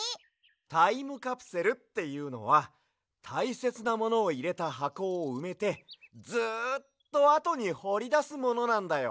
タイムカプセルっていうのはたいせつなものをいれたはこをうめてずっとあとにほりだすものなんだよ。